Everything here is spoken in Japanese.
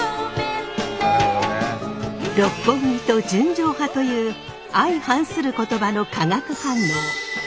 「六本木」と「純情派」という相反する言葉の化学反応。